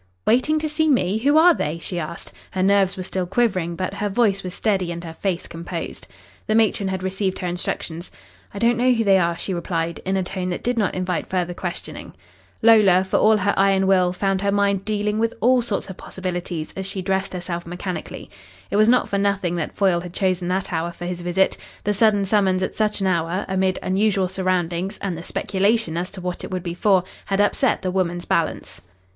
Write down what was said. "Waiting to see me? Who are they?" she asked. Her nerves were still quivering, but her voice was steady and her face composed. The matron had received her instructions. "I don't know who they are," she replied, in a tone that did not invite further questioning. Lola, for all her iron will, found her mind dealing with all sorts of possibilities as she dressed herself mechanically. It was not for nothing that Foyle had chosen that hour for his visit. The sudden summons at such an hour, amid unusual surroundings and the speculation as to what it would be for, had upset the woman's balance.